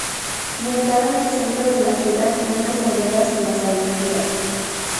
Mercado en el centro de la ciudad, tiendas variadas en las avenidas.